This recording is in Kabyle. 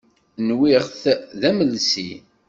Nwiɣ-t d amelsi.